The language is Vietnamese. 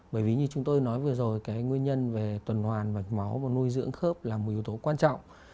bởi vì như chúng tôi nói vừa rồi cái nguyên nhân về tuần hoàn mạch máu và nuôi dưỡng khớp là một yếu tố quan trọng